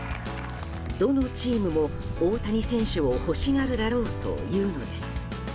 どのチームも大谷選手を欲しがるだろうというのです。